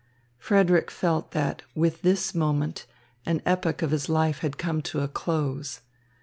Frederick felt that with this moment, an epoch of his life had come to a close.